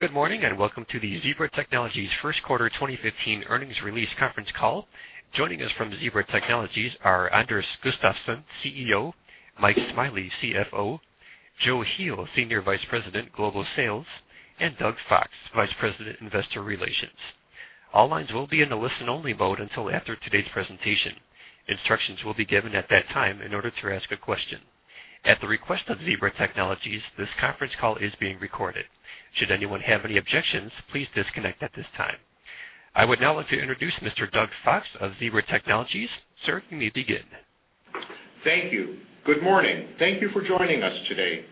Good morning, welcome to the Zebra Technologies first quarter 2015 earnings release conference call. Joining us from Zebra Technologies are Anders Gustafsson, CEO; Mike Smiley, CFO; Joachim Heel, Senior Vice President, Global Sales; and Doug Fox, Vice President, Investor Relations. All lines will be in a listen-only mode until after today's presentation. Instructions will be given at that time in order to ask a question. At the request of Zebra Technologies, this conference call is being recorded. Should anyone have any objections, please disconnect at this time. I would now like to introduce Mr. Doug Fox of Zebra Technologies. Sir, you may begin. Thank you. Good morning. Thank you for joining us today.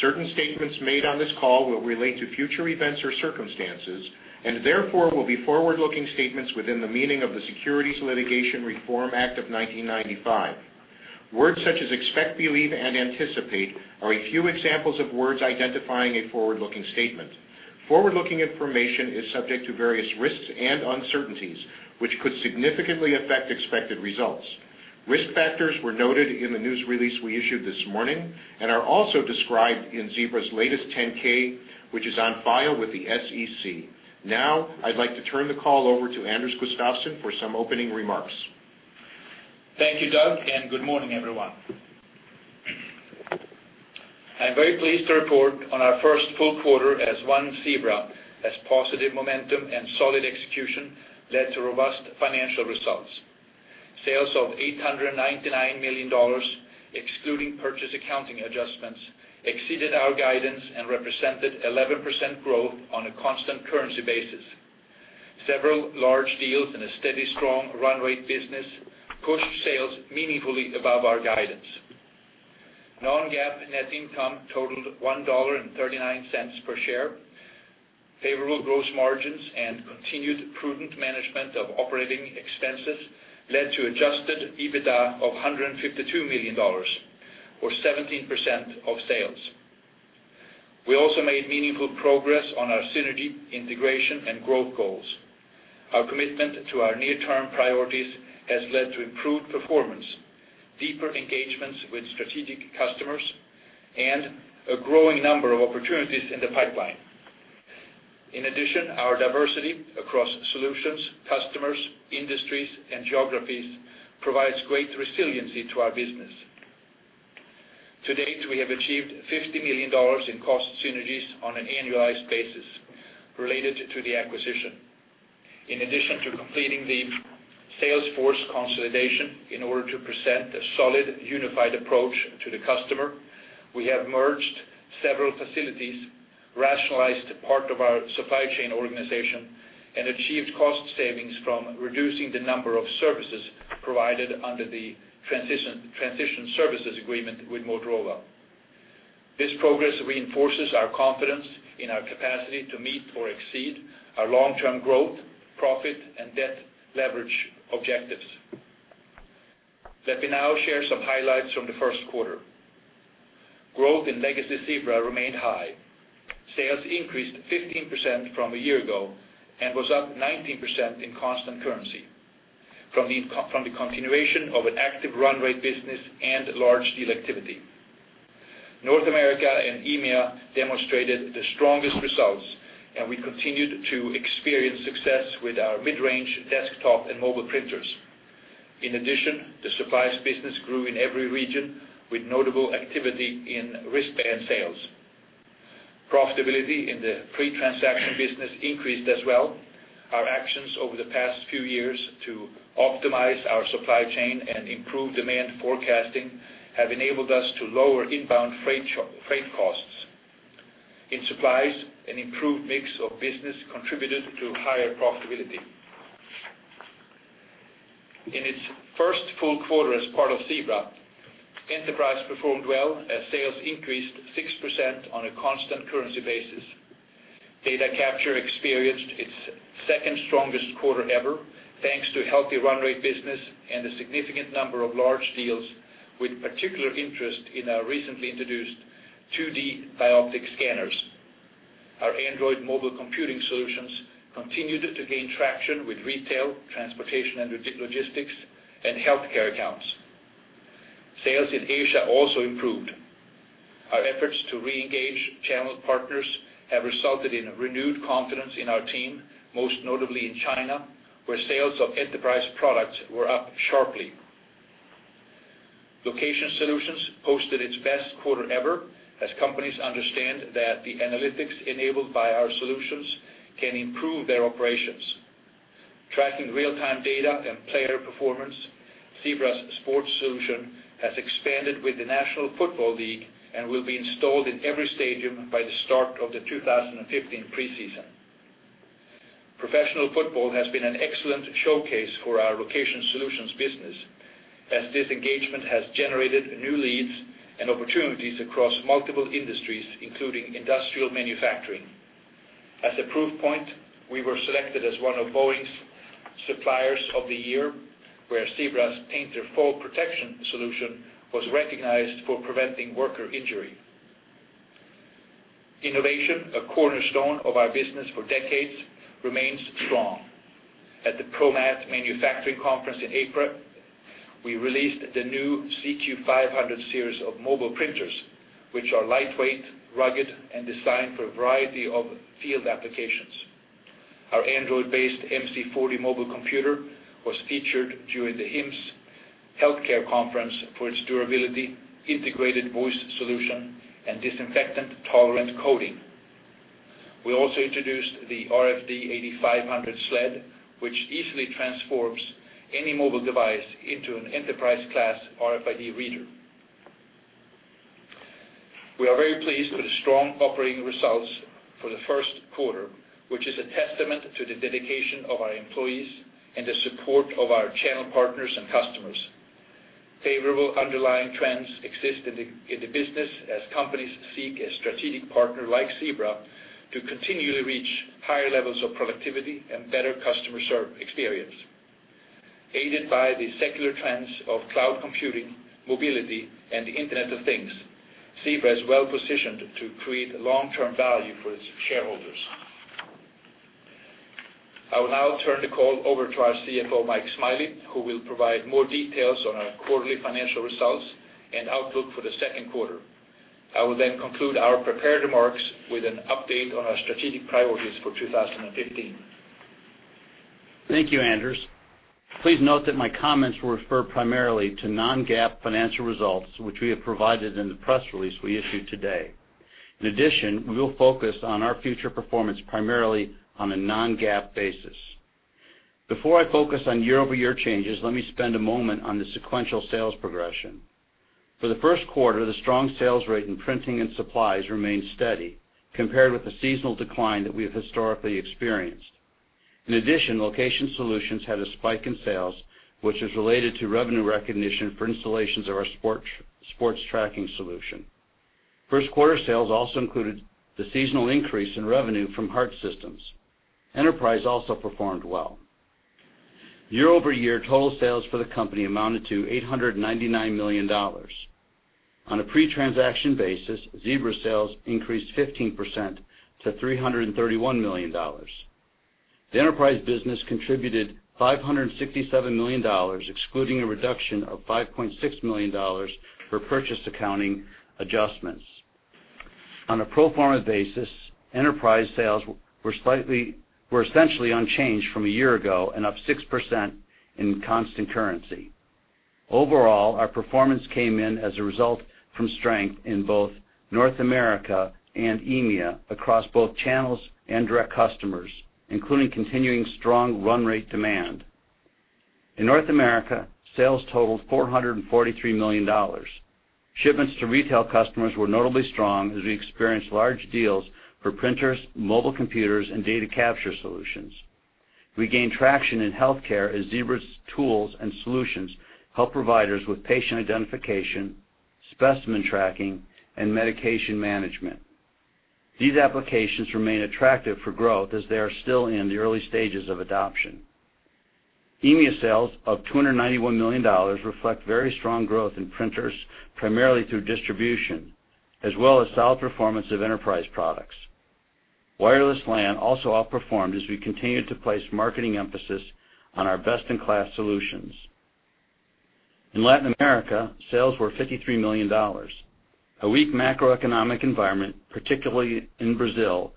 Certain statements made on this call will relate to future events or circumstances, therefore, will be forward-looking statements within the meaning of the Private Securities Litigation Reform Act of 1995. Words such as "expect," "believe," and "anticipate" are a few examples of words identifying a forward-looking statement. Forward-looking information is subject to various risks and uncertainties, which could significantly affect expected results. Risk factors were noted in the news release we issued this morning and are also described in Zebra's latest 10-K, which is on file with the SEC. I'd like to turn the call over to Anders Gustafsson for some opening remarks. Thank you, Doug, good morning, everyone. I'm very pleased to report on our first full quarter as one Zebra, as positive momentum and solid execution led to robust financial results. Sales of $899 million, excluding purchase accounting adjustments, exceeded our guidance and represented 11% growth on a constant currency basis. Several large deals and a steadily strong run rate business pushed sales meaningfully above our guidance. Non-GAAP net income totaled $1.39 per share. Favorable gross margins and continued prudent management of operating expenses led to adjusted EBITDA of $152 million, or 17% of sales. We also made meaningful progress on our synergy, integration, and growth goals. Our commitment to our near-term priorities has led to improved performance, deeper engagements with strategic customers, and a growing number of opportunities in the pipeline. Our diversity across solutions, customers, industries, and geographies provides great resiliency to our business. To date, we have achieved $50 million in cost synergies on an annualized basis related to the acquisition. In addition to completing the sales force consolidation in order to present a solid, unified approach to the customer, we have merged several facilities, rationalized part of our supply chain organization, and achieved cost savings from reducing the number of services provided under the transition services agreement with Motorola. This progress reinforces our confidence in our capacity to meet or exceed our long-term growth, profit, and debt leverage objectives. Let me now share some highlights from the first quarter. Growth in legacy Zebra remained high. Sales increased 15% from a year ago and were up 19% in constant currency from the continuation of an active run rate business and large deal activity. North America and EMEA demonstrated the strongest results, we continued to experience success with our mid-range desktop and mobile printers. In addition, the supplies business grew in every region, with notable activity in wristband sales. Profitability in the pre-transaction business increased as well. Our actions over the past few years to optimize our supply chain and improve demand forecasting have enabled us to lower inbound freight costs. In supplies, an improved mix of business contributed to higher profitability. In its first full quarter as part of Zebra, Enterprise performed well as sales increased 6% on a constant currency basis. Data capture experienced its second-strongest quarter ever, thanks to healthy run rate business and a significant number of large deals, with particular interest in our recently introduced 2D bioptic scanners. Our Android mobile computing solutions continued to gain traction with retail, transportation and logistics, and healthcare accounts. Sales in Asia also improved. Our efforts to reengage channel partners have resulted in renewed confidence in our team, most notably in China, where sales of Enterprise products were up sharply. Location Solutions posted its best quarter ever, as companies understand that the analytics enabled by our solutions can improve their operations. Tracking real-time data and player performance, Zebra's sports solution has expanded with the National Football League and will be installed in every stadium by the start of the 2015 preseason. Professional football has been an excellent showcase for our Location Solutions business, as this engagement has generated new leads and opportunities across multiple industries, including industrial manufacturing. As a proof point, we were selected as one of Boeing's suppliers of the year, where Zebra's Painter Fall Protection solution was recognized for preventing worker injury. Innovation, a cornerstone of our business for decades, remains strong. At the ProMat Manufacturing Conference in April, we released the new ZQ500 series of mobile printers, which are lightweight, rugged, designed for a variety of field applications. Our Android-based MC40 mobile computer was featured during the HIMSS healthcare conference for its durability, integrated voice solution, and disinfectant tolerant coating. We also introduced the RFD8500 sled, which easily transforms any mobile device into an enterprise-class RFID reader. We are very pleased with the strong operating results for the first quarter, which is a testament to the dedication of our employees and the support of our channel partners and customers. Favorable underlying trends exist in the business, as companies seek a strategic partner like Zebra to continually reach higher levels of productivity and better customer experience. Aided by the secular trends of cloud computing, mobility, and the Internet of Things, Zebra is well-positioned to create long-term value for its shareholders. I will now turn the call over to our CFO, Mike Smiley, who will provide more details on our quarterly financial results and outlook for the second quarter. I will then conclude our prepared remarks with an update on our strategic priorities for 2015. Thank you, Anders. Please note that my comments will refer primarily to non-GAAP financial results, which we have provided in the press release we issued today. In addition, we will focus on our future performance primarily on a non-GAAP basis. Before I focus on year-over-year changes, let me spend a moment on the sequential sales progression. For the first quarter, the strong sales rate in printing and supplies remained steady compared with the seasonal decline that we have historically experienced. In addition, Location Solutions had a spike in sales, which is related to revenue recognition for installations of our sports tracking solution. First quarter sales also included the seasonal increase in revenue from Hart Systems. Enterprise also performed well. Year-over-year total sales for the company amounted to $899 million. On a pre-transaction basis, Zebra's sales increased 15% to $331 million. The enterprise business contributed $567 million, excluding a reduction of $5.6 million for purchase accounting adjustments. On a pro forma basis, enterprise sales were essentially unchanged from a year ago and up 6% in constant currency. Overall, our performance came in as a result from strength in both North America and EMEA across both channels and direct customers, including continuing strong run rate demand. In North America, sales totaled $443 million. Shipments to retail customers were notably strong as we experienced large deals for printers, mobile computers, and data capture solutions. We gained traction in healthcare as Zebra's tools and solutions help providers with patient identification, specimen tracking, and medication management. These applications remain attractive for growth as they are still in the early stages of adoption. EMEA sales of $291 million reflect very strong growth in printers primarily through distribution, as well as solid performance of enterprise products. Wireless LAN also outperformed as we continued to place marketing emphasis on our best-in-class solutions. In Latin America, sales were $53 million. A weak macroeconomic environment, particularly in Brazil,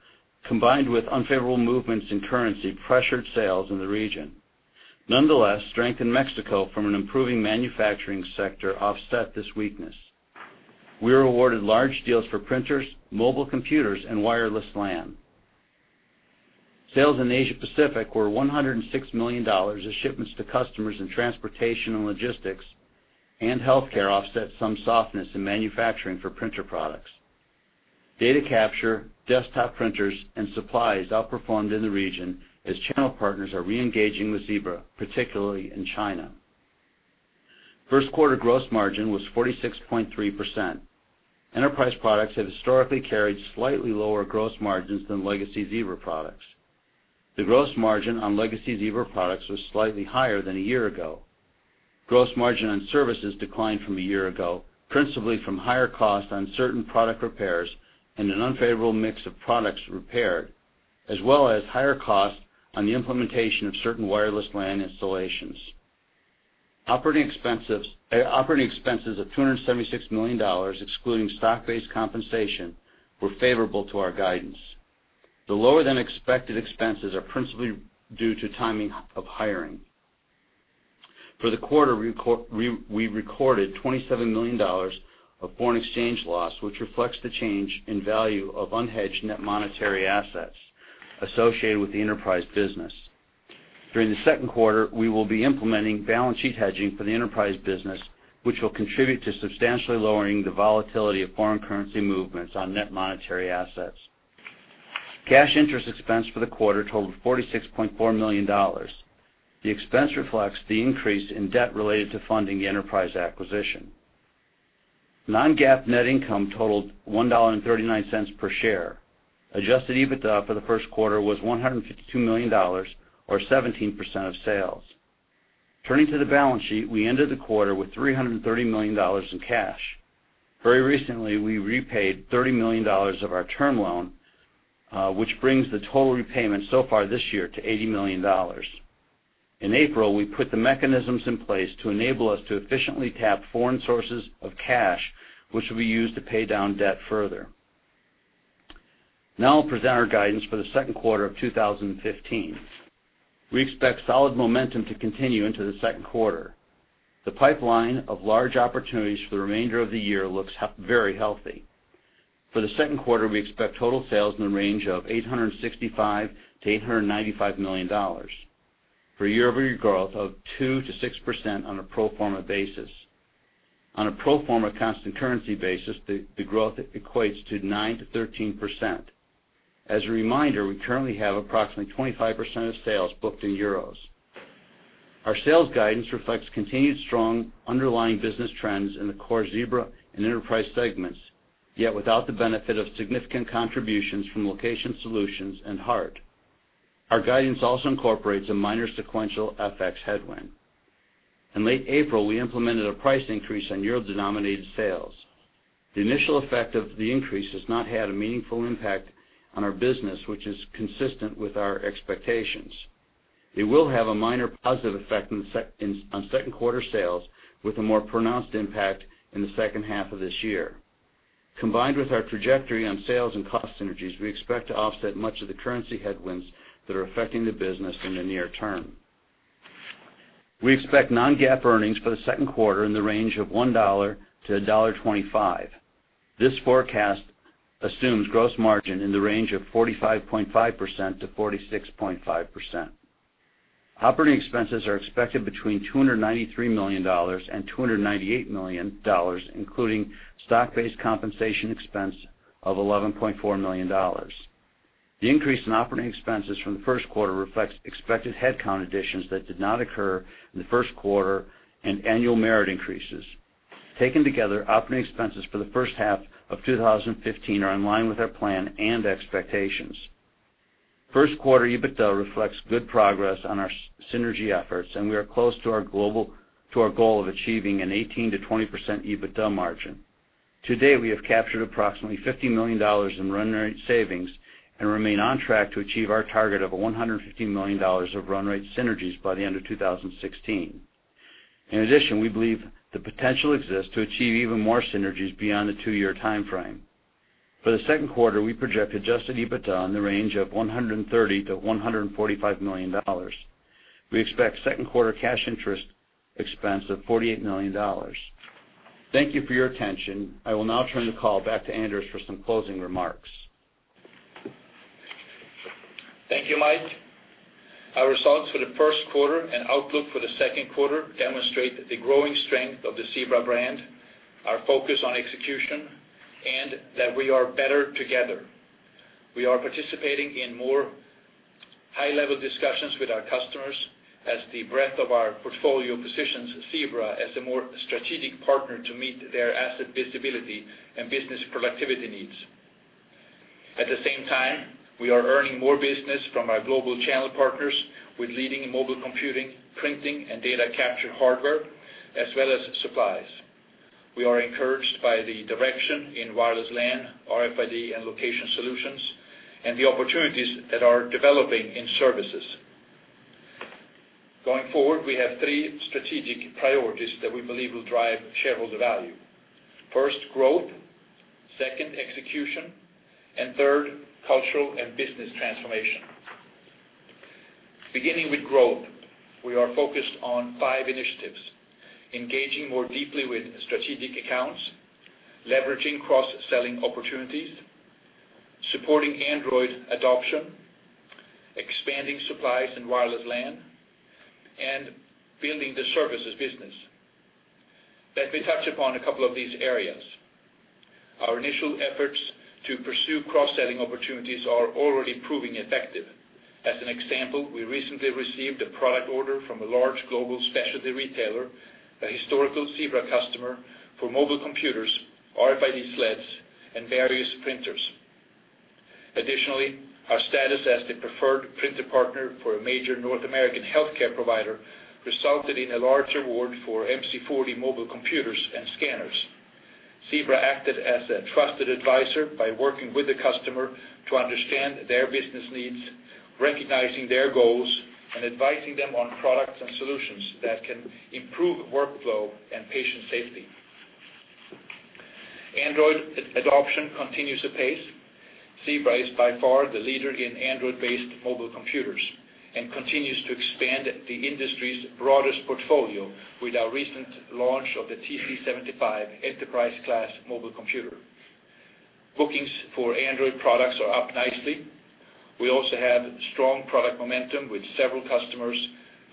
combined with unfavorable movements in currency pressured sales in the region. Nonetheless, strength in Mexico from an improving manufacturing sector offset this weakness. We were awarded large deals for printers, mobile computers, and Wireless LAN. Sales in Asia Pacific were $106 million, as shipments to customers in transportation and logistics and healthcare offset some softness in manufacturing for printer products. Data capture, desktop printers, and supplies outperformed in the region as channel partners are re-engaging with Zebra, particularly in China. First quarter gross margin was 46.3%. Enterprise products have historically carried slightly lower gross margins than legacy Zebra products. The gross margin on legacy Zebra products was slightly higher than a year ago. Gross margin on services declined from a year ago, principally from higher costs on certain product repairs and an unfavorable mix of products repaired, as well as higher costs on the implementation of certain Wireless LAN installations. Operating expenses of $276 million, excluding stock-based compensation, were favorable to our guidance. The lower than expected expenses are principally due to timing of hiring. For the quarter, we recorded $27 million of foreign exchange loss, which reflects the change in value of unhedged net monetary assets associated with the enterprise business. During the second quarter, we will be implementing balance sheet hedging for the enterprise business, which will contribute to substantially lowering the volatility of foreign currency movements on net monetary assets. Cash interest expense for the quarter totaled $46.4 million. The expense reflects the increase in debt related to funding the enterprise acquisition. Non-GAAP net income totaled $1.39 per share. Adjusted EBITDA for the first quarter was $152 million, or 17% of sales. Turning to the balance sheet, we ended the quarter with $330 million in cash. Very recently, we repaid $30 million of our term loan, which brings the total repayment so far this year to $80 million. In April, we put the mechanisms in place to enable us to efficiently tap foreign sources of cash, which will be used to pay down debt further. I'll present our guidance for the second quarter of 2015. We expect solid momentum to continue into the second quarter. The pipeline of large opportunities for the remainder of the year looks very healthy. For the second quarter, we expect total sales in the range of $865 million-$895 million, for a year-over-year growth of 2%-6% on a pro forma basis. On a pro forma constant currency basis, the growth equates to 9%-13%. As a reminder, we currently have approximately 25% of sales booked in EUR. Our sales guidance reflects continued strong underlying business trends in the core Zebra and enterprise segments, yet without the benefit of significant contributions from Location Solutions and Hart. Our guidance also incorporates a minor sequential FX headwind. In late April, we implemented a price increase on EUR-denominated sales. The initial effect of the increase has not had a meaningful impact on our business, which is consistent with our expectations. It will have a minor positive effect on second quarter sales, with a more pronounced impact in the second half of this year. Combined with our trajectory on sales and cost synergies, we expect to offset much of the currency headwinds that are affecting the business in the near term. We expect non-GAAP earnings for the second quarter in the range of $1-$1.25. This forecast assumes gross margin in the range of 45.5%-46.5%. Operating expenses are expected between $293 million and $298 million, including stock-based compensation expense of $11.4 million. The increase in operating expenses from the first quarter reflects expected headcount additions that did not occur in the first quarter and annual merit increases. Taken together, operating expenses for the first half of 2015 are in line with our plan and expectations. First quarter EBITDA reflects good progress on our synergy efforts, and we are close to our goal of achieving an 18%-20% EBITDA margin. To date, we have captured approximately $50 million in run rate savings and remain on track to achieve our target of $150 million of run rate synergies by the end of 2016. We believe the potential exists to achieve even more synergies beyond the two-year timeframe. For the second quarter, we project adjusted EBITDA in the range of $130 million-$145 million. We expect second quarter cash interest expense of $48 million. Thank you for your attention. I will turn the call back to Anders for some closing remarks. Thank you, Mike. Our results for the first quarter and outlook for the second quarter demonstrate the growing strength of the Zebra brand, our focus on execution, and that we are better together. We are participating in more high-level discussions with our customers as the breadth of our portfolio positions Zebra as a more strategic partner to meet their asset visibility and business productivity needs. At the same time, we are earning more business from our global channel partners with leading mobile computing, printing, and data capture hardware, as well as supplies. We are encouraged by the direction in Wireless LAN, RFID, and Location Solutions, and the opportunities that are developing in services. Going forward, we have 3 strategic priorities that we believe will drive shareholder value. First, growth. Second, execution. Third, cultural and business transformation. Beginning with growth, we are focused on five initiatives, engaging more deeply with strategic accounts, leveraging cross-selling opportunities, supporting Android adoption, expanding supplies and Wireless LAN, and building the services business. Let me touch upon a couple of these areas. Our initial efforts to pursue cross-selling opportunities are already proving effective. As an example, we recently received a product order from a large global specialty retailer, a historical Zebra customer, for mobile computers, RFID sleds, and various printers. Additionally, our status as the preferred printer partner for a major North American healthcare provider resulted in a large award for MC40 mobile computers and scanners. Zebra acted as a trusted advisor by working with the customer to understand their business needs, recognizing their goals, and advising them on products and solutions that can improve workflow and patient safety. Android adoption continues apace. Zebra is by far the leader in Android-based mobile computers and continues to expand the industry's broadest portfolio with our recent launch of the TC75 enterprise-class mobile computer. Bookings for Android products are up nicely. We also have strong product momentum with several customers,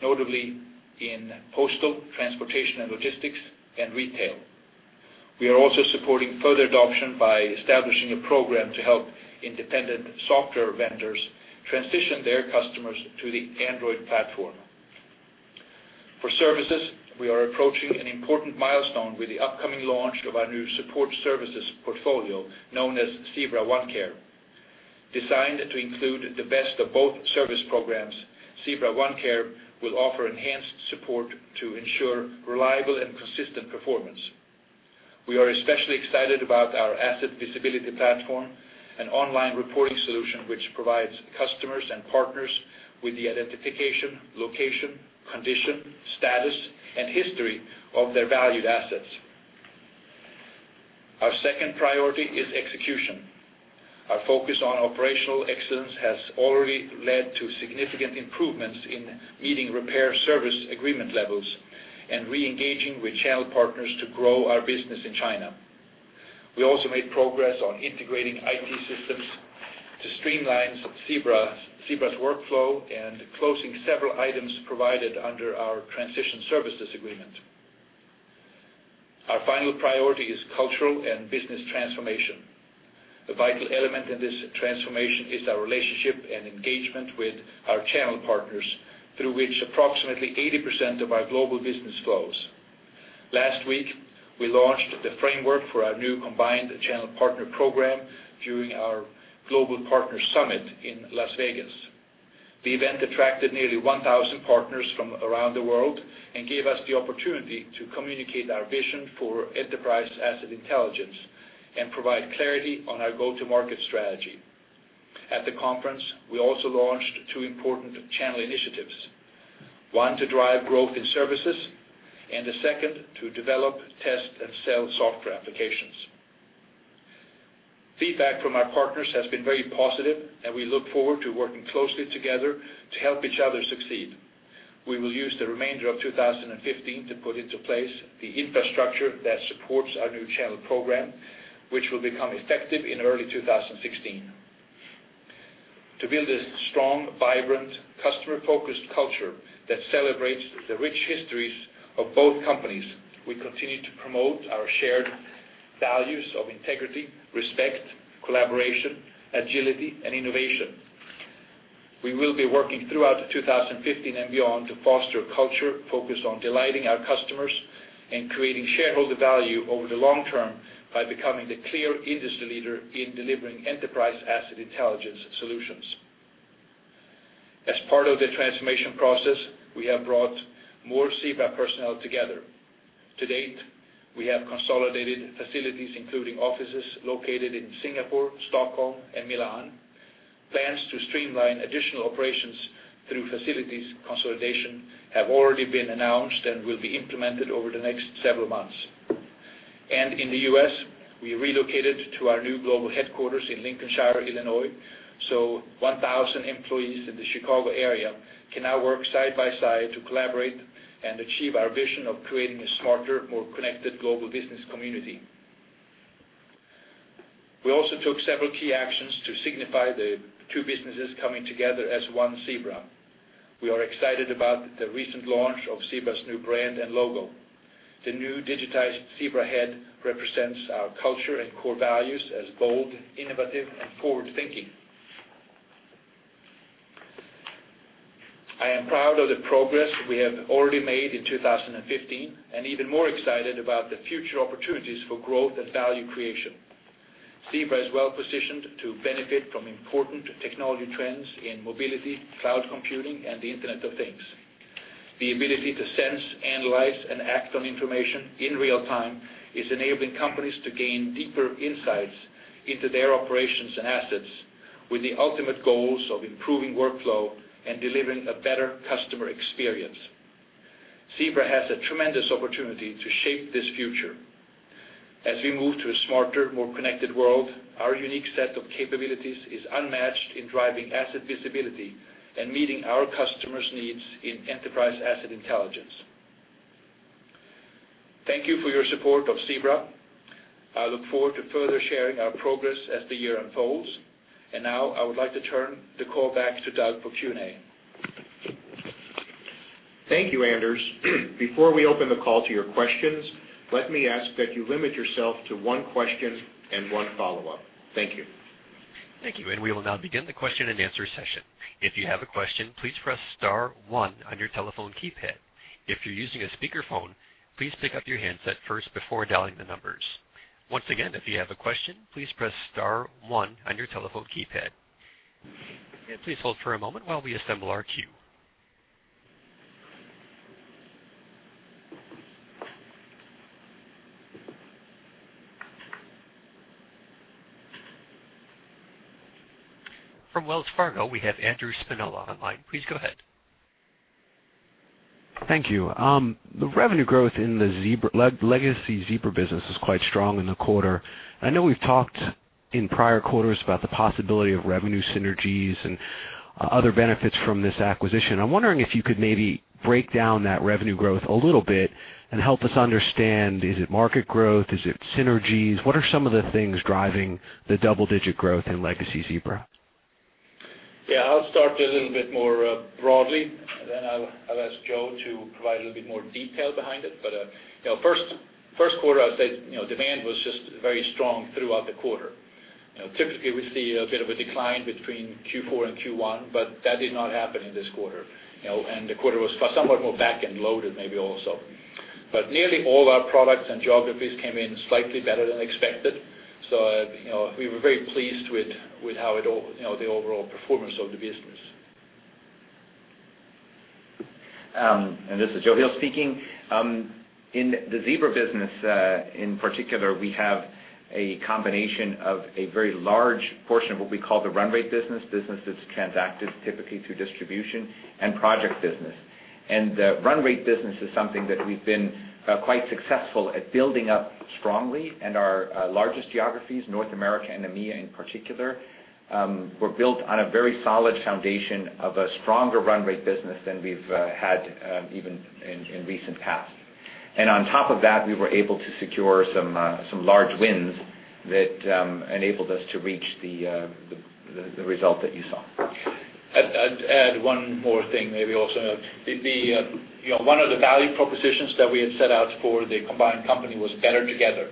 notably in postal, transportation, and logistics, and retail. We are also supporting further adoption by establishing a program to help independent software vendors transition their customers to the Android platform. For services, we are approaching an important milestone with the upcoming launch of our new support services portfolio known as Zebra OneCare. Designed to include the best of both service programs, Zebra OneCare will offer enhanced support to ensure reliable and consistent performance. We are especially excited about our Asset Visibility Platform, an online reporting solution which provides customers and partners with the identification, location, condition, status, and history of their valued assets. Our second priority is execution. Our focus on operational excellence has already led to significant improvements in meeting repair service agreement levels and re-engaging with channel partners to grow our business in China. We also made progress on integrating IT systems to streamline Zebra's workflow and closing several items provided under our transition services agreement. Our final priority is cultural and business transformation. The vital element in this transformation is our relationship and engagement with our channel partners, through which approximately 80% of our global business flows. Last week, we launched the framework for our new combined channel partner program during our Global Partner Summit in Las Vegas. The event attracted nearly 1,000 partners from around the world and gave us the opportunity to communicate our vision for Enterprise Asset Intelligence and provide clarity on our go-to-market strategy. At the conference, we also launched two important channel initiatives, one to drive growth in services, and the second to develop, test, and sell software applications. Feedback from our partners has been very positive. We look forward to working closely together to help each other succeed. We will use the remainder of 2015 to put into place the infrastructure that supports our new channel program, which will become effective in early 2016. To build a strong, vibrant, customer-focused culture that celebrates the rich histories of both companies, we continue to promote our shared values of integrity, respect, collaboration, agility, and innovation. We will be working throughout 2015 and beyond to foster a culture focused on delighting our customers and creating shareholder value over the long term by becoming the clear industry leader in delivering Enterprise Asset Intelligence solutions. As part of the transformation process, we have brought more Zebra personnel together. To date, we have consolidated facilities, including offices located in Singapore, Stockholm, and Milan. Plans to streamline additional operations through facilities consolidation have already been announced and will be implemented over the next several months. In the U.S., we relocated to our new global headquarters in Lincolnshire, Illinois, so 1,000 employees in the Chicago area can now work side by side to collaborate and achieve our vision of creating a smarter, more connected global business community. We also took several key actions to signify the two businesses coming together as one Zebra. We are excited about the recent launch of Zebra's new brand and logo. The new digitized Zebra head represents our culture and core values as bold, innovative, and forward-thinking. I am proud of the progress we have already made in 2015 and even more excited about the future opportunities for growth and value creation. Zebra is well positioned to benefit from important technology trends in mobility, cloud computing, and the Internet of Things. The ability to sense, analyze, and act on information in real time is enabling companies to gain deeper insights into their operations and assets, with the ultimate goals of improving workflow and delivering a better customer experience. Zebra has a tremendous opportunity to shape this future. As we move to a smarter, more connected world, our unique set of capabilities is unmatched in driving asset visibility and meeting our customers' needs in Enterprise Asset Intelligence. Thank you for your support of Zebra. I look forward to further sharing our progress as the year unfolds. Now, I would like to turn the call back to Doug for Q&A. Thank you, Anders. Before we open the call to your questions, let me ask that you limit yourself to one question and one follow-up. Thank you. Thank you. We will now begin the question and answer session. If you have a question, please press star one on your telephone keypad. If you're using a speakerphone, please pick up your handset first before dialing the numbers. Once again, if you have a question, please press star one on your telephone keypad. Please hold for a moment while we assemble our queue. From Wells Fargo, we have Andrew Spinola on the line. Please go ahead. Thank you. The revenue growth in the legacy Zebra business is quite strong in the quarter. I know we've talked in prior quarters about the possibility of revenue synergies and other benefits from this acquisition. I'm wondering if you could maybe break down that revenue growth a little bit and help us understand, is it market growth? Is it synergies? What are some of the things driving the double-digit growth in legacy Zebra? Yeah, I'll start a little bit more broadly, I'll ask Joe to provide a little bit more detail behind it. First quarter, I'd say, demand was just very strong throughout the quarter. Typically, we see a bit of a decline between Q4 and Q1, that did not happen in this quarter. The quarter was somewhat more back-end loaded, maybe also. Nearly all our products and geographies came in slightly better than expected. We were very pleased with the overall performance of the business. This is Joachim Heel speaking. In the Zebra business, in particular, we have a combination of a very large portion of what we call the run rate business that's transacted typically through distribution and project business. The run rate business is something that we've been quite successful at building up strongly in our largest geographies, North America and EMEA in particular, were built on a very solid foundation of a stronger run rate business than we've had even in recent past. On top of that, we were able to secure some large wins that enabled us to reach the result that you saw. I'd add one more thing maybe also. One of the value propositions that we had set out for the combined company was better together,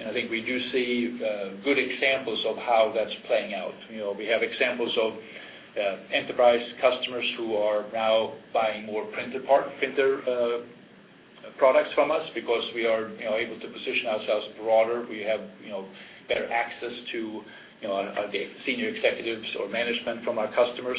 and I think we do see good examples of how that's playing out. We have examples of enterprise customers who are now buying more printer products from us because we are able to position ourselves broader. We have better access to senior executives or management from our customers.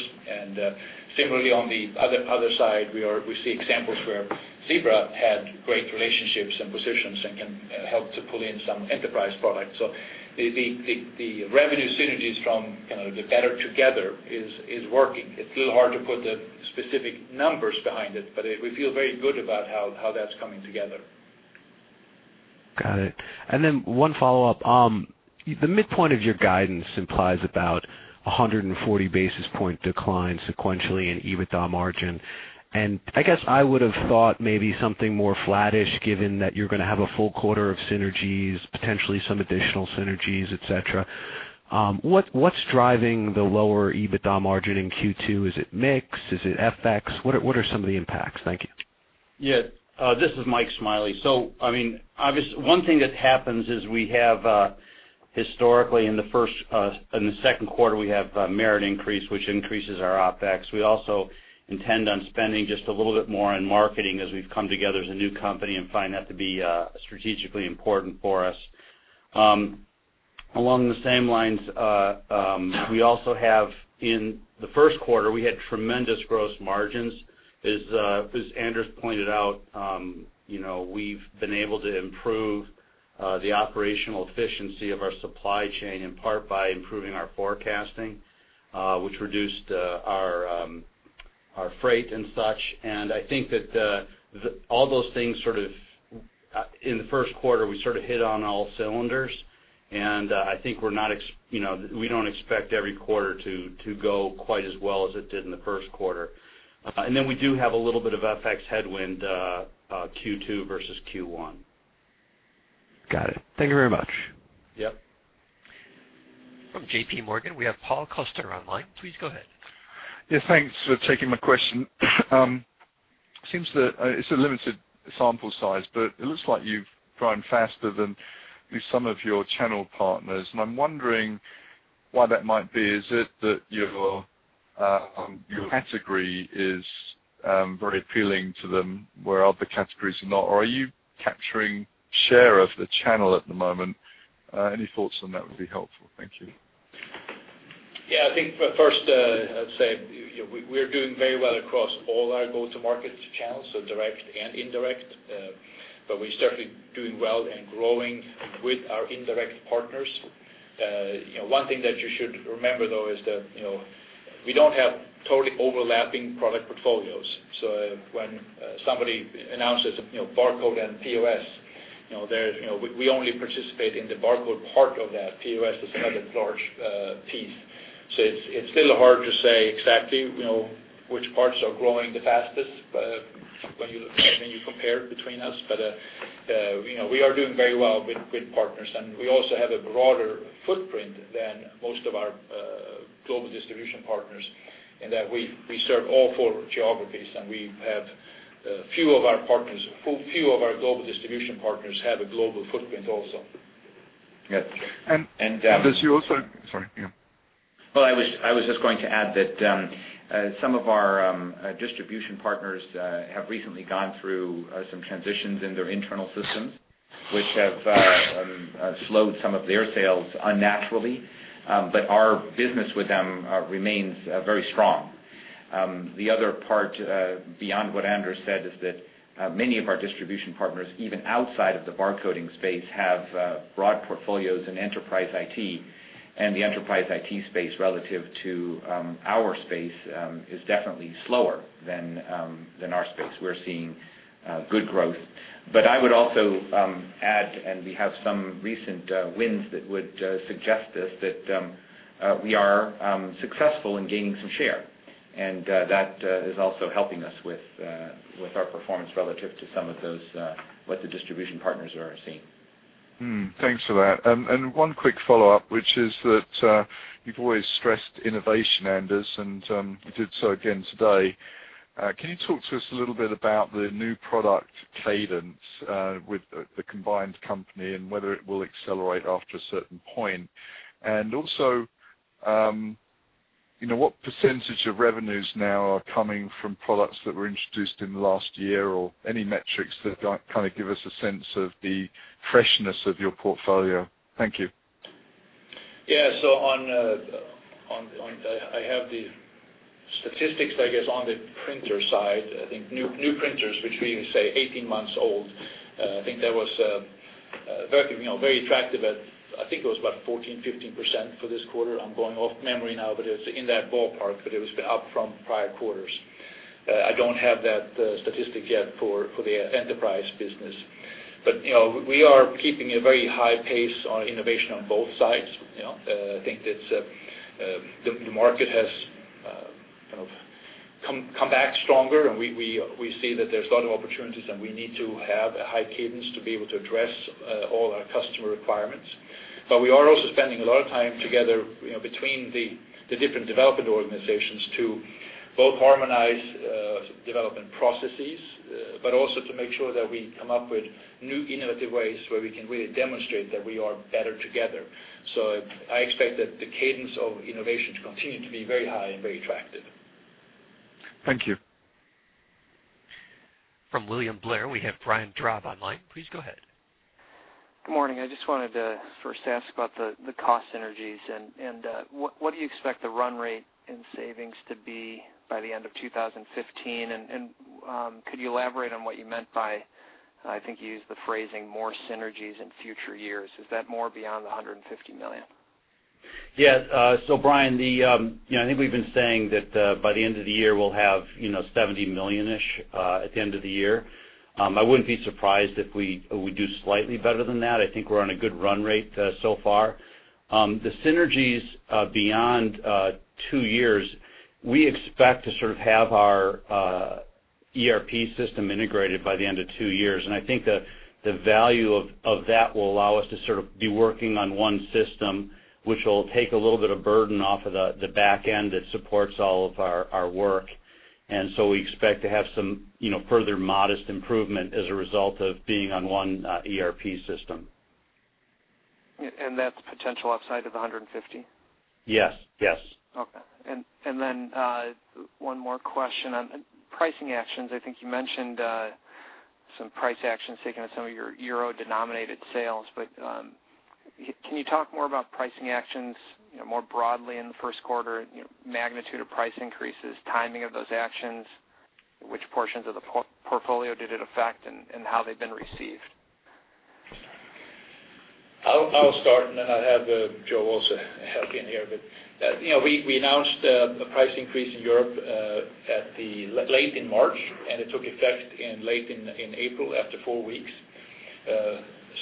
Similarly, on the other side, we see examples where Zebra had great relationships and positions and can help to pull in some enterprise products. The revenue synergies from the better together is working. It's a little hard to put the specific numbers behind it, but we feel very good about how that's coming together. Got it. Then one follow-up. The midpoint of your guidance implies about 140 basis point decline sequentially in EBITDA margin. I guess I would've thought maybe something more flattish, given that you're going to have a full quarter of synergies, potentially some additional synergies, et cetera. What's driving the lower EBITDA margin in Q2? Is it mix? Is it FX? What are some of the impacts? Thank you. Yeah. This is Mike Smiley. One thing that happens is we have historically in the second quarter, we have a merit increase, which increases our OPEX. We also intend on spending just a little bit more on marketing as we've come together as a new company and find that to be strategically important for us. Along the same lines, we also have in the first quarter, we had tremendous gross margins. As Anders pointed out, we've been able to improve the operational efficiency of our supply chain, in part by improving our forecasting, which reduced our freight and such. I think that all those things sort of, in the first quarter, we sort of hit on all cylinders. I think we don't expect every quarter to go quite as well as it did in the first quarter. We do have a little bit of FX headwind, Q2 versus Q1. Got it. Thank you very much. Yep. From JP Morgan, we have Paul Coster online. Please go ahead. Thanks for taking my question. It's a limited sample size, but it looks like you've grown faster than at least some of your channel partners, and I'm wondering why that might be. Is it that your category is very appealing to them where other categories are not, or are you capturing share of the channel at the moment? Any thoughts on that would be helpful. Thank you. I think first, I'd say we're doing very well across all our go-to-market channels, so direct and indirect. We're certainly doing well and growing with our indirect partners. One thing that you should remember, though, is that we don't have totally overlapping product portfolios. When somebody announces barcode and POS, we only participate in the barcode part of that. POS is another large piece. It's still hard to say exactly which parts are growing the fastest when you compare between us. We are doing very well with partners, and we also have a broader footprint than most of our global distribution partners in that we serve all four geographies, and few of our global distribution partners have a global footprint also. Yes. Sorry. Yeah. Well, I was just going to add that some of our distribution partners have recently gone through some transitions in their internal systems, which have slowed some of their sales unnaturally. Our business with them remains very strong. The other part, beyond what Anders said, is that many of our distribution partners, even outside of the barcoding space, have broad portfolios in enterprise IT. The enterprise IT space relative to our space, is definitely slower than our space. We're seeing good growth. I would also add, and we have some recent wins that would suggest this, that we are successful in gaining some share. That is also helping us with our performance relative to some of those, what the distribution partners are seeing. Hmm. Thanks for that. One quick follow-up, which is that, you've always stressed innovation, Anders, and you did so again today. Can you talk to us a little bit about the new product cadence with the combined company and whether it will accelerate after a certain point? Also what % of revenues now are coming from products that were introduced in the last year, or any metrics that kind of give us a sense of the freshness of your portfolio? Thank you. Yes. I have the statistics, I guess, on the printer side. I think new printers, which we say 18 months old, I think that was very attractive at, I think it was about 14%-15% for this quarter. I'm going off memory now, but it's in that ballpark. It was up from prior quarters. I don't have that statistic yet for the enterprise business. We are keeping a very high pace on innovation on both sides. I think that the market has kind of come back stronger, and we see that there's a lot of opportunities, and we need to have a high cadence to be able to address all our customer requirements. We are also spending a lot of time together, between the different development organizations to both harmonize development processes, but also to make sure that we come up with new, innovative ways where we can really demonstrate that we are better together. I expect that the cadence of innovation to continue to be very high and very attractive. Thank you. From William Blair, we have Brian Drab online. Please go ahead. Good morning. I just wanted to first ask about the cost synergies. What do you expect the run rate in savings to be by the end of 2015? Could you elaborate on what you meant by, I think you used the phrasing, more synergies in future years. Is that more beyond the $150 million? Yes. Brian, I think we've been saying that by the end of the year, we'll have $70 million-ish at the end of the year. I wouldn't be surprised if we do slightly better than that. I think we're on a good run rate so far. The synergies beyond two years, we expect to sort of have our ERP system integrated by the end of two years. I think the value of that will allow us to sort of be working on one system, which will take a little bit of burden off of the back end that supports all of our work. We expect to have some further modest improvement as a result of being on one ERP system. That's potential upside of $150 million? Yes. Okay. One more question on pricing actions. I think you mentioned some price actions taken on some of your euro-denominated sales. Can you talk more about pricing actions more broadly in the first quarter, magnitude of price increases, timing of those actions, which portions of the portfolio did it affect, and how they've been received? I'll start, and then I'll have Joe also help in here. We announced a price increase in Europe late in March, and it took effect late in April, after four weeks.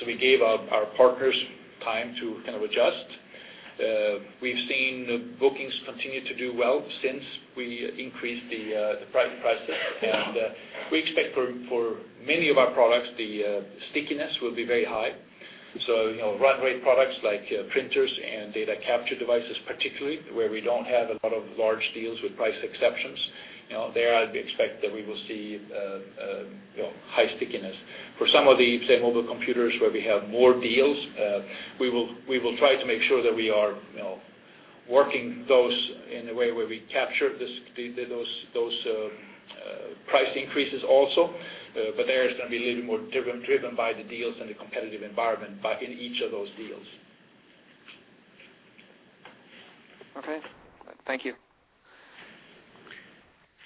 We gave our partners time to kind of adjust. We've seen bookings continue to do well since we increased the pricing process. We expect for many of our products, the stickiness will be very high. Run rate products like printers and data capture devices, particularly where we don't have a lot of large deals with price exceptions. There, I'd expect that we will see high stickiness. For some of the, say, mobile computers where we have more deals, we will try to make sure that we are working those in a way where we capture those price increases also. There it's going to be a little more driven by the deals and the competitive environment, but in each of those deals. Okay. Thank you.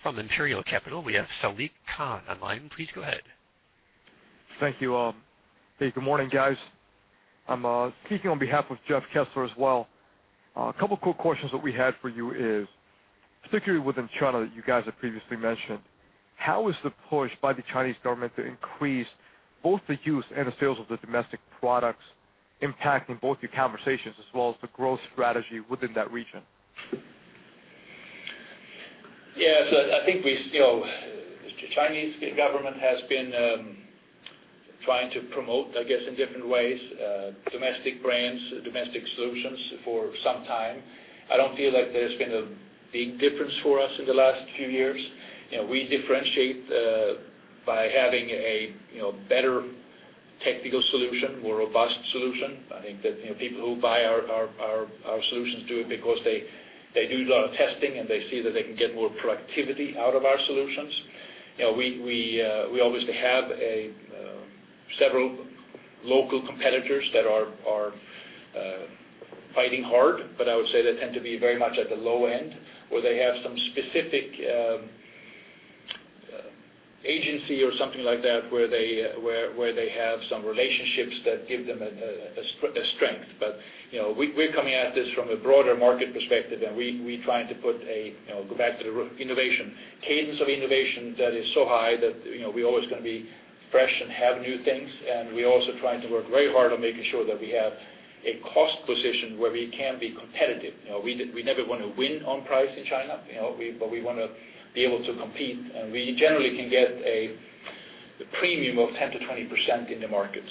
From Imperial Capital, we have Saliq Khan online. Please go ahead. Thank you. Hey, good morning, guys. I'm speaking on behalf of Jeff Kessler as well. A couple of quick questions that we had for you is, particularly within China, that you guys have previously mentioned, how is the push by the Chinese government to increase both the use and the sales of the domestic products impacting both your conversations as well as the growth strategy within that region? Yes, I think the Chinese government has been trying to promote, I guess, in different ways, domestic brands, domestic solutions for some time. I don't feel like there's been a big difference for us in the last few years. We differentiate by having a better technical solution, more robust solution. I think that people who buy our solutions do it because they do a lot of testing, and they see that they can get more productivity out of our solutions. We obviously have several local competitors that are fighting hard. I would say they tend to be very much at the low end, where they have some specific agency or something like that, where they have some relationships that give them a strength. We're coming at this from a broader market perspective. We're trying to go back to the cadence of innovation that is so high that we're always going to be fresh and have new things. We're also trying to work very hard on making sure that we have a cost position where we can be competitive. We never want to win on price in China, but we want to be able to compete, and we generally can get a premium of 10%-20% in the market.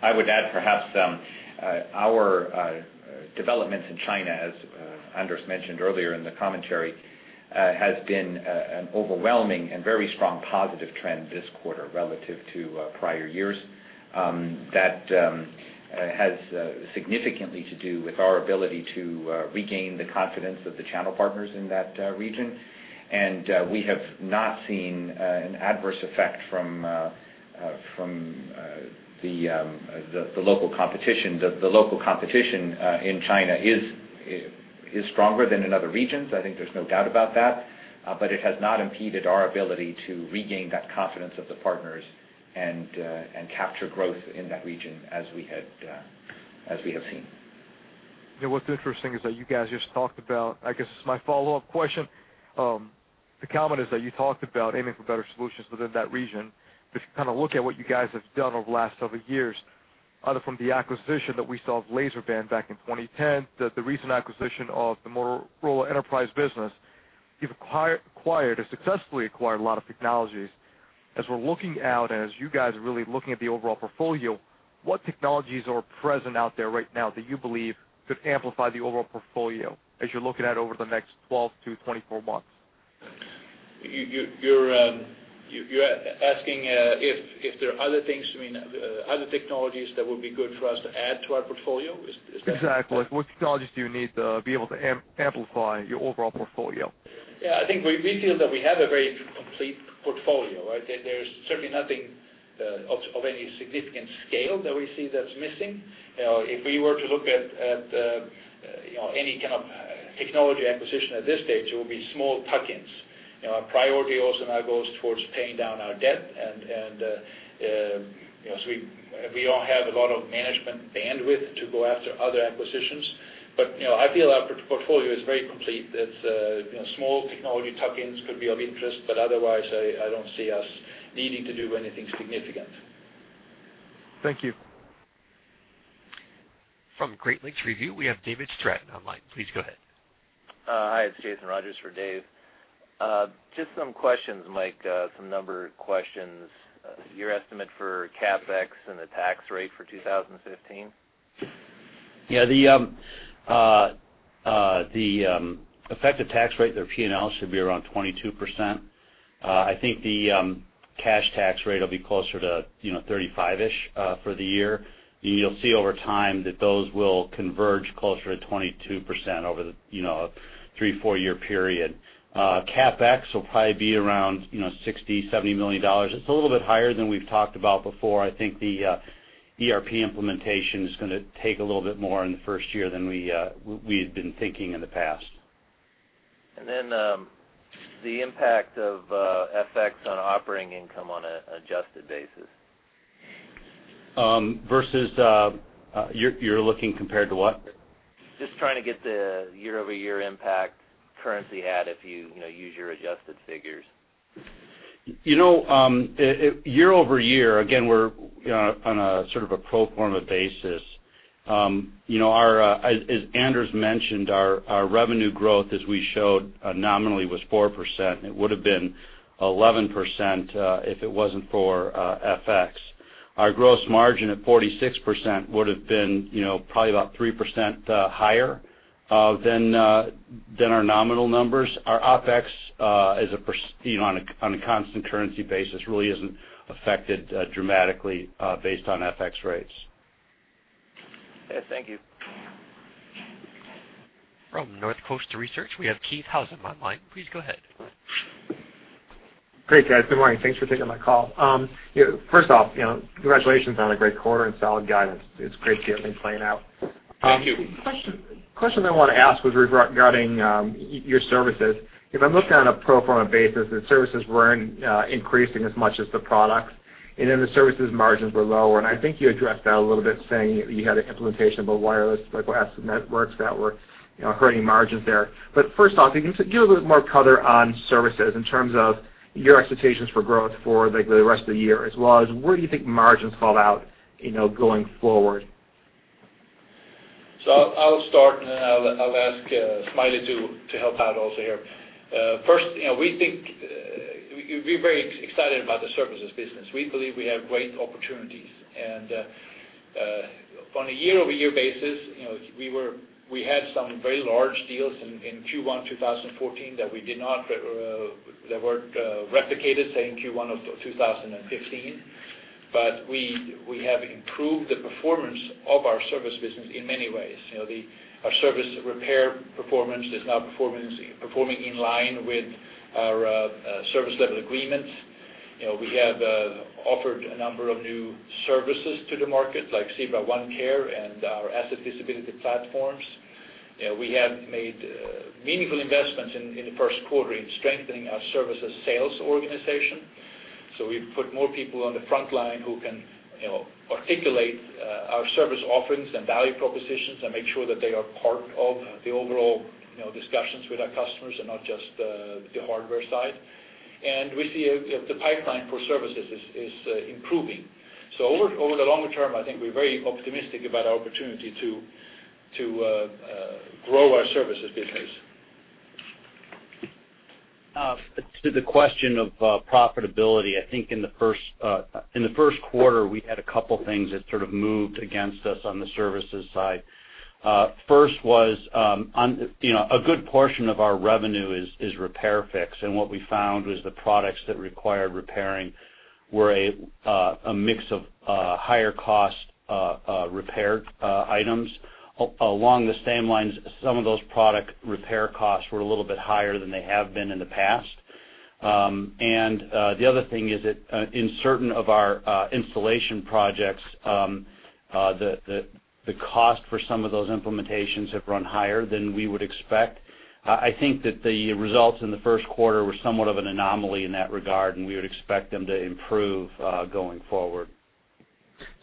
I would add perhaps our developments in China, as Anders mentioned earlier in the commentary has been an overwhelming and very strong positive trend this quarter relative to prior years. That has significantly to do with our ability to regain the confidence of the channel partners in that region. We have not seen an adverse effect from the local competition. The local competition in China is stronger than in other regions. I think there's no doubt about that. It has not impeded our ability to regain that confidence of the partners and capture growth in that region as we have seen. What's interesting is that you guys just talked about, I guess this is my follow-up question, the comment is that you talked about aiming for better solutions within that region. If you look at what you guys have done over the last several years, from the acquisition that we saw of LaserBand back in 2010, to the recent acquisition of the Motorola Enterprise business, you've successfully acquired a lot of technologies. As we're looking out and as you guys are really looking at the overall portfolio, what technologies are present out there right now that you believe could amplify the overall portfolio as you're looking out over the next 12 to 24 months? You're asking if there are other things, other technologies that would be good for us to add to our portfolio? Is that? Exactly. What technologies do you need to be able to amplify your overall portfolio? Yeah, I think we feel that we have a very complete portfolio, right? There's certainly nothing of any significant scale that we see that's missing. If we were to look at any kind of technology acquisition at this stage, it will be small tuck-ins. Our priority also now goes towards paying down our debt, and so we don't have a lot of management bandwidth to go after other acquisitions. I feel our portfolio is very complete. That small technology tuck-ins could be of interest, but otherwise, I don't see us needing to do anything significant. Thank you. From Great Lakes Review, we have David Stratton online. Please go ahead. Hi, it's Jason Rogers for Dave. Just some questions, Mike, some number questions. Your estimate for CapEx and the tax rate for 2015? Yeah. The effective tax rate, their P&L should be around 22%. I think the cash tax rate will be closer to 35-ish for the year. You'll see over time that those will converge closer to 22% over a three, four-year period. CapEx will probably be around $60, $70 million. It's a little bit higher than we've talked about before. I think the ERP implementation is going to take a little bit more in the first year than we had been thinking in the past. The impact of FX on operating income on an adjusted basis. You're looking compared to what? Just trying to get the year-over-year impact currency had if you use your adjusted figures. Year-over-year, again, we're on a sort of a pro forma basis. As Anders mentioned, our revenue growth as we showed nominally was 4%, and it would've been 11% if it wasn't for FX. Our gross margin at 46% would've been probably about 3% higher than our nominal numbers. Our OPEX on a constant currency basis really isn't affected dramatically based on FX rates. Okay, thank you. From Northcoast Research, we have Keith Housum online. Please go ahead. Great, guys. Good morning. Thanks for taking my call. First off, congratulations on a great quarter and solid guidance. It's great to see everything playing out. Thank you. Question I want to ask was regarding your services. If I'm looking on a pro forma basis, the services weren't increasing as much as the products, then the services margins were lower. I think you addressed that a little bit saying that you had an implementation of a wireless asset networks that were hurting margins there. First off, can you give a little bit more color on services in terms of your expectations for growth for the rest of the year, as well as where do you think margins fall out going forward? I'll start, then I'll ask Smiley to help out also here. First, we're very excited about the services business. We believe we have great opportunities. On a year-over-year basis, we had some very large deals in Q1 2014 that weren't replicated, say, in Q1 2015. We have improved the performance of our service business in many ways. Our service repair performance is now performing in line with our service level agreements. We have offered a number of new services to the market, like Zebra OneCare and our Asset Visibility Platforms. We have made meaningful investments in the first quarter in strengthening our services sales organization. We've put more people on the front line who can articulate our service offerings and value propositions and make sure that they are part of the overall discussions with our customers and not just the hardware side. We see the pipeline for services is improving. Over the longer term, I think we're very optimistic about our opportunity to grow our services business. To the question of profitability, I think in the first quarter, we had a couple things that sort of moved against us on the services side. First was, a good portion of our revenue is repair fix, and what we found was the products that required repairing were a mix of higher cost repair items. Along the same lines, some of those product repair costs were a little bit higher than they have been in the past. The other thing is that in certain of our installation projects, the cost for some of those implementations have run higher than we would expect. I think that the results in the first quarter were somewhat of an anomaly in that regard, and we would expect them to improve going forward.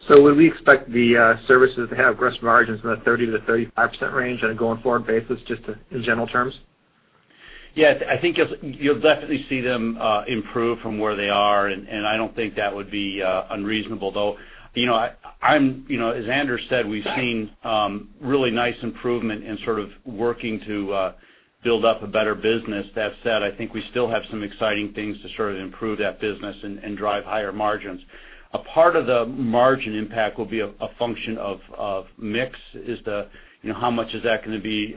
Would we expect the services to have gross margins in the 30%-35% range on a going forward basis, just in general terms? Yes, I think you'll definitely see them improve from where they are, and I don't think that would be unreasonable, though. As Anders said, we've seen really nice improvement in sort of working to build up a better business. That said, I think we still have some exciting things to sort of improve that business and drive higher margins. A part of the margin impact will be a function of mix, how much is that going to be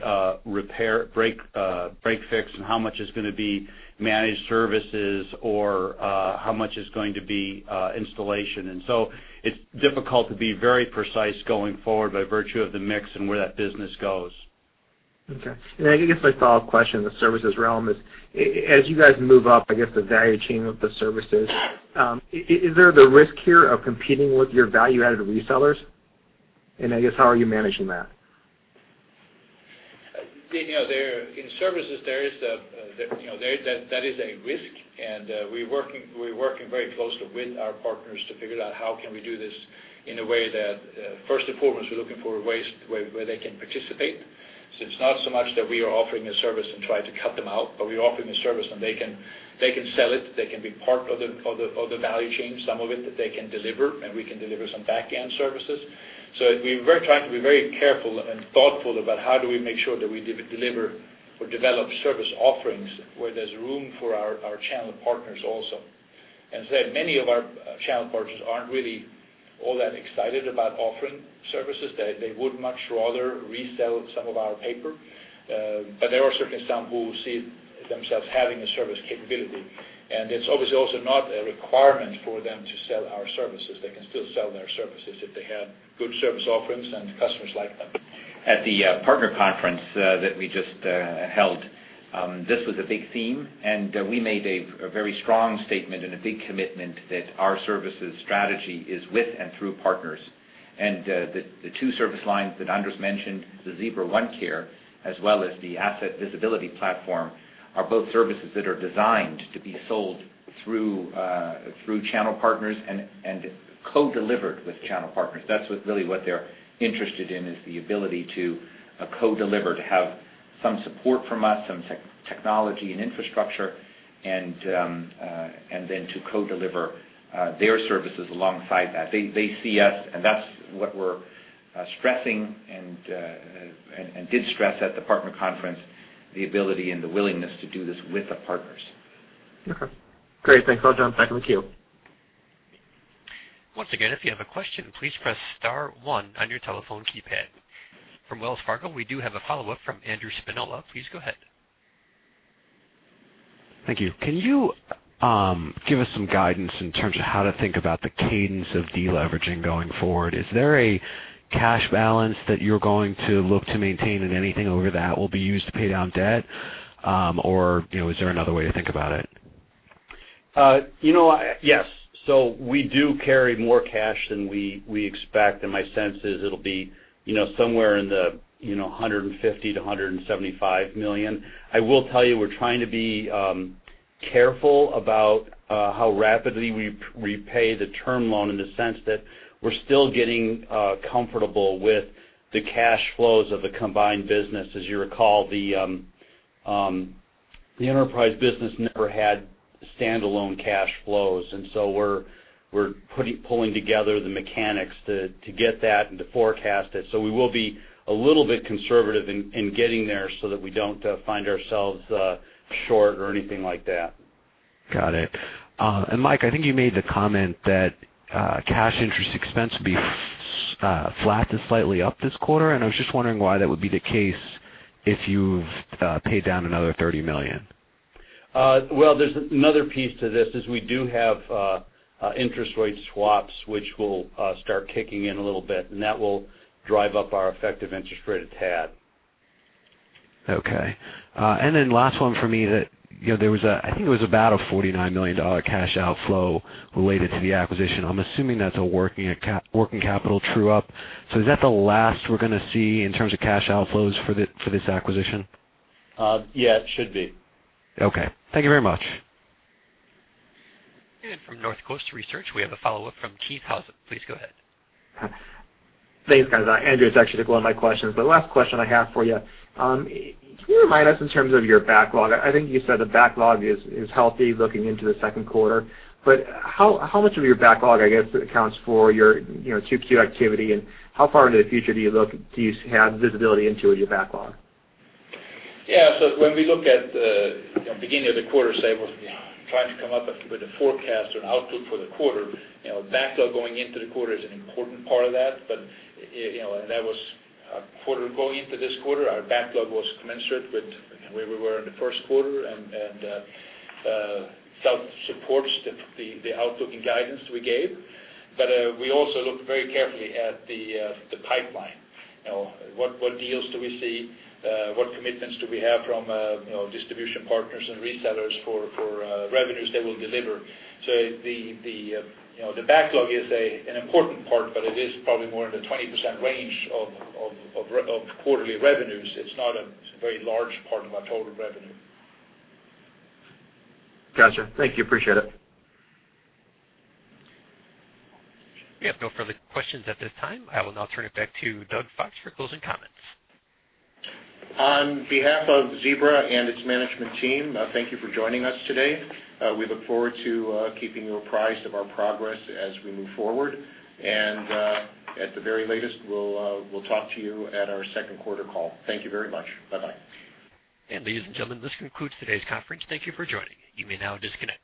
repair, break, fix, and how much is going to be managed services or how much is going to be installation. So it's difficult to be very precise going forward by virtue of the mix and where that business goes. Okay. I guess my follow-up question in the services realm is, as you guys move up, I guess, the value chain of the services, is there the risk here of competing with your value-added resellers? I guess, how are you managing that? In services, that is a risk, and we're working very closely with our partners to figure out how can we do this in a way that, first and foremost, we're looking for ways where they can participate. It's not so much that we are offering a service and trying to cut them out, but we're offering a service and they can sell it, they can be part of the value chain, some of it that they can deliver, and we can deliver some back-end services. We're trying to be very careful and thoughtful about how do we make sure that we deliver or develop service offerings where there's room for our channel partners also. As I said, many of our channel partners aren't really all that excited about offering services. They would much rather resell some of our paper. There are certainly some who see themselves having a service capability. It's obviously also not a requirement for them to sell our services. They can still sell their services if they have good service offerings and customers like them. At the partner conference that we just held, this was a big theme, and we made a very strong statement and a big commitment that our services strategy is with and through partners. The two service lines that Anders mentioned, the Zebra OneCare, as well as the Asset Visibility Platform, are both services that are designed to be sold through channel partners and co-delivered with channel partners. That's really what they're interested in, is the ability to co-deliver, to have some support from us, some technology and infrastructure, and then to co-deliver their services alongside that. They see us, and that's what we're stressing, and did stress at the partner conference, the ability and the willingness to do this with our partners. Okay. Great. Thanks, all. John, back to the queue. Once again, if you have a question, please press star one on your telephone keypad. From Wells Fargo, we do have a follow-up from Andrew Spinola. Please go ahead. Thank you. Can you give us some guidance in terms of how to think about the cadence of deleveraging going forward? Is there a cash balance that you're going to look to maintain, and anything over that will be used to pay down debt? Is there another way to think about it? Yes. We do carry more cash than we expect, and my sense is it'll be somewhere in the $150 million-$175 million. I will tell you, we're trying to be careful about how rapidly we repay the term loan in the sense that we're still getting comfortable with the cash flows of the combined business. As you recall, the enterprise business never had standalone cash flows, we're pulling together the mechanics to get that and to forecast it. We will be a little bit conservative in getting there so that we don't find ourselves short or anything like that. Got it. Mike, I think you made the comment that cash interest expense will be flat to slightly up this quarter, and I was just wondering why that would be the case if you've paid down another $30 million. Well, there's another piece to this, is we do have interest rate swaps, which will start kicking in a little bit, and that will drive up our effective interest rate a tad. Then last one for me. There was, I think it was about a $49 million cash outflow related to the acquisition. I'm assuming that's a working capital true-up. Is that the last we're going to see in terms of cash outflows for this acquisition? Yeah, it should be. Okay. Thank you very much. From Northcoast Research, we have a follow-up from Keith Housum. Please go ahead. Thanks, guys. Andrew actually took one of my questions. Last question I have for you. Can you remind us in terms of your backlog, I think you said the backlog is healthy looking into the second quarter, how much of your backlog, I guess, accounts for your 2Q activity, and how far into the future do you look, do you have visibility into your backlog? Yeah. When we look at the beginning of the quarter, say, we're trying to come up with a forecast or an outlook for the quarter, backlog going into the quarter is an important part of that. That was a quarter going into this quarter, our backlog was commensurate with where we were in the first quarter and that supports the outlook and guidance we gave. We also looked very carefully at the pipeline. What deals do we see? What commitments do we have from distribution partners and resellers for revenues they will deliver? The backlog is an important part, but it is probably more in the 20% range of quarterly revenues. It's not a very large part of our total revenue. Got you. Thank you. Appreciate it. We have no further questions at this time. I will now turn it back to Doug Fox for closing comments. On behalf of Zebra and its management team, thank you for joining us today. We look forward to keeping you apprised of our progress as we move forward. At the very latest, we'll talk to you at our second quarter call. Thank you very much. Bye-bye. Ladies and gentlemen, this concludes today's conference. Thank you for joining. You may now disconnect.